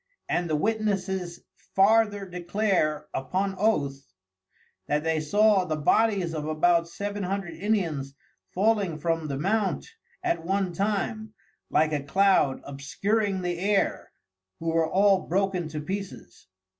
And the Witnesses farther declare upon Oath, that they saw the bodies of about seven hundred Indians falling from the Mount at one time, like a Cloud obscuring the Air, who were all broken to pieces.